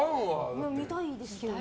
見たいですけどね。